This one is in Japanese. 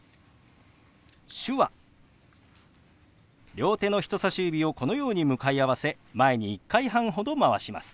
両手の人さし指をこのように向かい合わせ前に１回半ほど回します。